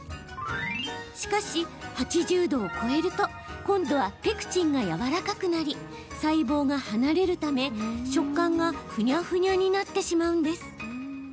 しかし、８０度を超えると今度はペクチンがやわらかくなり細胞が離れるため食感がふにゃふにゃになってしまうんです。